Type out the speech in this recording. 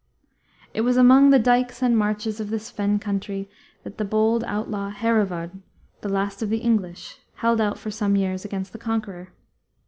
It was among the dikes and marshes of this fen country that the bold outlaw Hereward, "the last of the English," held out for some years against the conqueror.